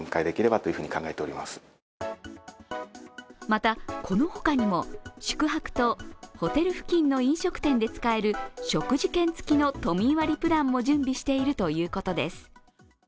またこのほかにも、宿泊とホテル付近の飲食店で使える食事券付きの都民割プランも準備しているということです。